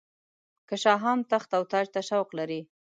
که شاهان تخت او تاج ته شوق لري.